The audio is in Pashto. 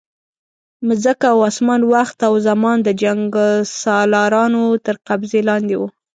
مځکه او اسمان، وخت او زمان د جنګسالارانو تر قبضې لاندې وو.